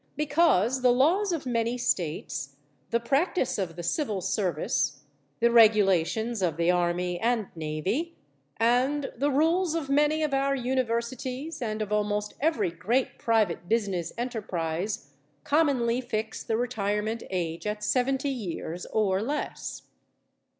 Because the laws of many states, the practice of the Civil Service, the regulations of the Army and Navy, and the rules of many of our universities and of almost every great private business enterprise, commonly fix the retirement age at seventy years or less.